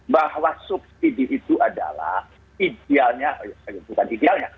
bahwa subsidi itu adalah idealnya bukan idealnya